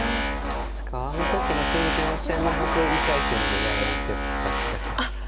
確かあの時の新人王戦も僕１回戦でやられてた気がします。